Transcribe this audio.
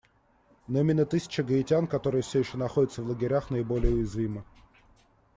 Но именно тысячи гаитян, которые все еще находятся в лагерях, наиболее уязвимы.